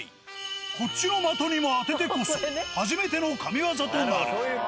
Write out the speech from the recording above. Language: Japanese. こっちの的にも当ててこそ、初めての神業となる。